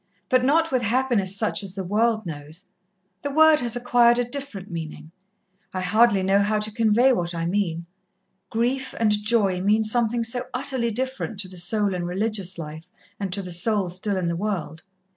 "But not with happiness such as the world knows. The word has acquired a different meaning. I hardly know how to convey what I mean. 'Grief' and 'Joy' mean something so utterly different to the soul in religious life, and to the soul still in the world.